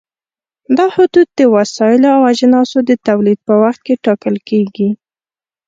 دا حدود د وسایلو او اجناسو د تولید په وخت کې ټاکل کېږي.